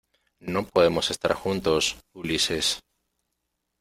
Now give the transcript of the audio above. no podemos estar juntos, Ulises ,